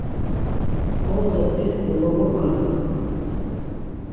Ordzo tis dologoǩorasen!”